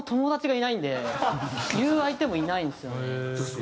言う相手もいないんですよね。